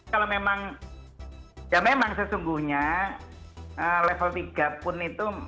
kalau memang ya memang sesungguhnya level tiga pun itu